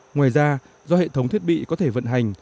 ngoài ra do hệ thống thiết bị có thể vận hành